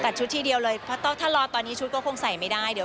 กัดชุดที่เดียวเลยเพราะถ้ารอตอนนี้ชุดก็คงใส่ไม่ได้